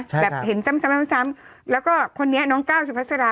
แบบเห็นซ้ำซ้ำแล้วก็คนนี้น้องก้าวสุภาษา